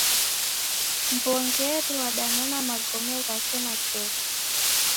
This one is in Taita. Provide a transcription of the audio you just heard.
Mw'ongeri wadanona magome ghake na chofi.